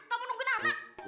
kau mau nunggu anak